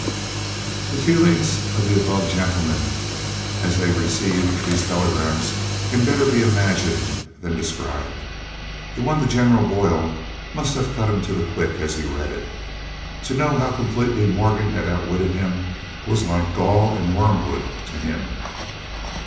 The feelings of the above gentlemen as they received these telegrams can better be imagined than described. The one to General Boyle must have cut him to the quick as he read it. To know how completely Morgan had outwitted him was like gall and wormwood to him.